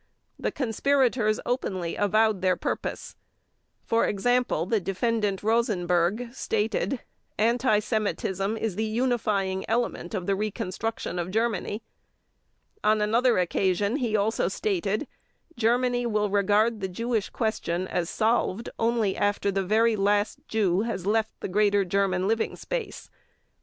The conspirators openly avowed their purpose. For example, the Defendant ROSENBERG stated: "Anti Semitism is the unifying element of the reconstruction of Germany." On another occasion he also stated: "Germany will regard the Jewish question as solved only after the very last Jew has left the greater German living space ...